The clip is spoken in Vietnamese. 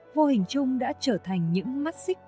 vô hình chung đã trở thành những mắt xích